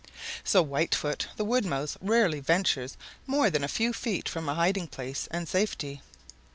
So Whitefoot the Wood Mouse rarely ventures more than a few feet from a hiding place and safety.